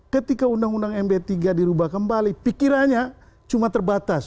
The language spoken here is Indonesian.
ketika undang undang md tiga dirubah kembali pikirannya cuma terbatas